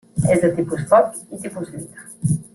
És de tipus foc i tipus lluita.